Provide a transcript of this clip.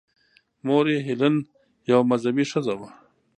مور یې هیلین یوه مذهبي ښځه وه.